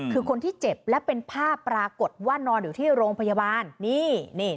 คือคนที่เจ็บและเป็นภาพปรากฏว่านอนอยู่ที่โรงพยาบาลนี่